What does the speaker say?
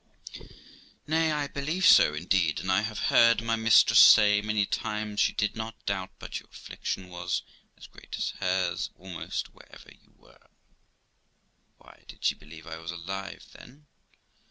Amy. Nay, I believe so, indeed; and I have heard my mistress say many times she did not doubt but your affliction was as great as hers, almost, wherever you were. Gent. Why, did she believe I was alive, then?